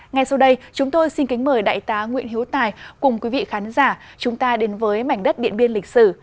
ngay sau đây chúng tôi xin kính mời đại tá nguyễn hiếu tài cùng quý vị khán giả chúng ta đến với mảnh đất điện biên lịch sử